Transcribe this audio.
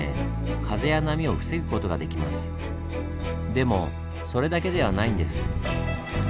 でもそれだけではないんです。